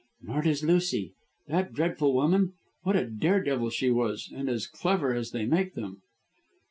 "Nor does Lucy. That dreadful woman! What a dare devil she was, and as clever as they make them."